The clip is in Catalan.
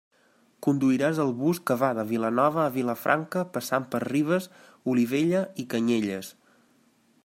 Conduiràs el bus que va de Vilanova a Vilafranca passant per Ribes, Olivella i Canyelles.